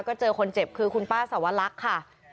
ก็เจอคนเจ็บคือคุณป้าสวรรคค่ะ